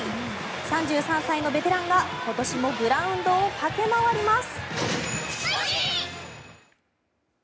３３歳のベテランが今年もグラウンドを駆け回ります。